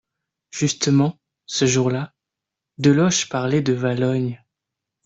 Justement, ce jour-là, Deloche parlait de Valognes.